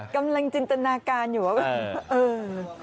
กำลังจินตนาการอยู่